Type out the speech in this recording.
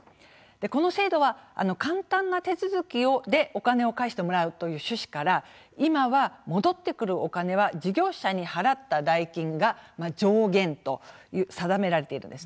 この制度は簡単な手続きでお金を返してもらうという趣旨から今は戻ってくるお金は事業者に払った代金が上限と定められているんです。